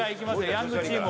ヤングチーム